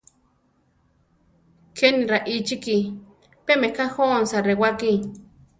Kéni raíchiki; pé meká jónsa rewáki.